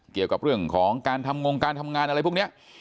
เกี่ยวกับเรื่องของการทำงงการทำงานอะไรพวกนี้